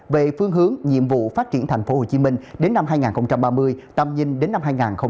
về phương hướng nhiệm vụ phát triển tp hcm đến năm hai nghìn ba mươi tầm nhìn đến năm hai nghìn bốn mươi năm